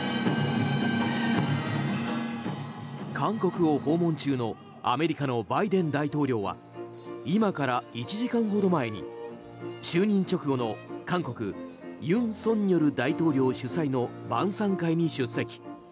韓国を訪問中のアメリカのバイデン大統領は今から１時間ほど前に就任直後の韓国、尹錫悦大統領主催の晩さん会に出席。